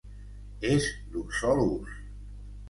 És d'un sol ús.